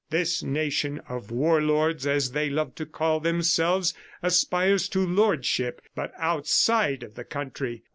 This nation of war lords, as they love to call themselves, aspires to lordship, but outside of the country.